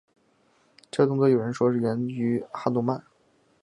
这动作有人说是源于哈奴曼。